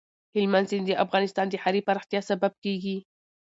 هلمند سیند د افغانستان د ښاري پراختیا سبب کېږي.